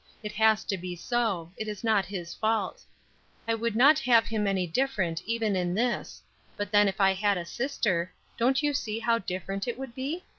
It has to be so; it is not his fault. I would not have him any different, even in this; but then if I had a sister, don't you see how different it would be?